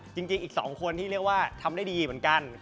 อีก๒คนที่เรียกว่าทำได้ดีเหมือนกัน